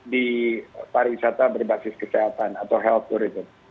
di para wisata berbasis kesehatan atau health tourism